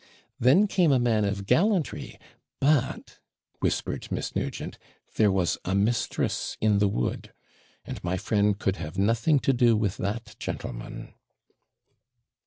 Then came a man of gallantry, but,' whispered Miss Nugent, 'there was a mistress in the wood; and my friend could have nothing to do with that gentleman.'